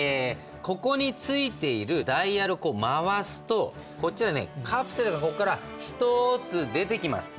ここについているダイヤルを回すとカプセルがこっから１つ出てきます。